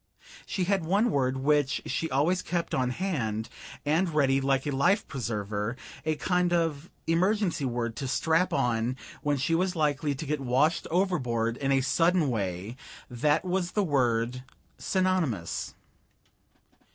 She had one word which she always kept on hand, and ready, like a life preserver, a kind of emergency word to strap on when she was likely to get washed overboard in a sudden way that was the word Synonymous.